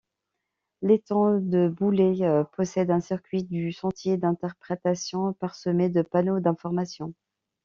L'étang de Boulet possède un circuit du sentier d'interprétation parsemé de panneaux d'information.